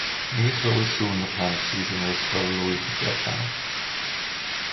Ni chlywir sŵn y plant sydd yn yr ysgol lwyd gerllaw.